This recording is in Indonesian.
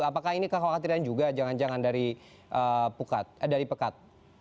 apakah ini kekhawatiran juga jangan jangan dari pekat